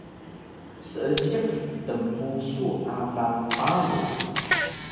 Seejiq tnpusu alang paru